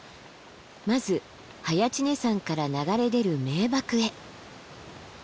まず早池峰山から流れ出る名瀑へ。